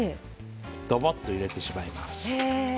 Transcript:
どぼっと入れてしまいます。